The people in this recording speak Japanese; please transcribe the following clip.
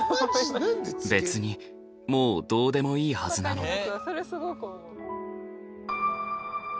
別にもうどうでもいいはずなのに。